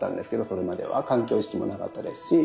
それまでは環境意識もなかったですし。